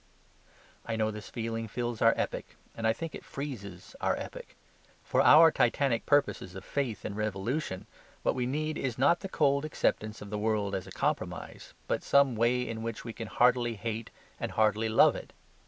I know this feeling fills our epoch, and I think it freezes our epoch. For our Titanic purposes of faith and revolution, what we need is not the cold acceptance of the world as a compromise, but some way in which we can heartily hate and heartily love it.